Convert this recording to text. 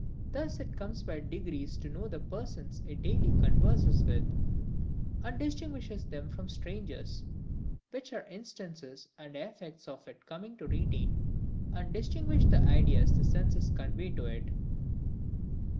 Thus it comes by degrees to know the persons it daily converses with, and distinguishes them from strangers; which are instances and effects of its coming to retain and distinguish the ideas the senses convey to it.